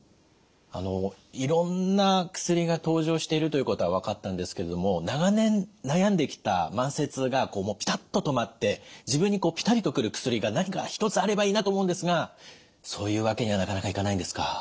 いろんな薬が登場しているということは分かったんですけれども長年悩んできた慢性痛がもうピタッと止まって自分にピタリと来る薬が何か一つあればいいなと思うんですがそういうわけにはなかなかいかないんですか？